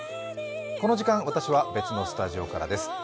この時間、私は別のスタジオからです。